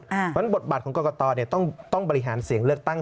เพราะฉะนั้นบทบาทของกรกตต้องบริหารเสียงเลือกตั้ง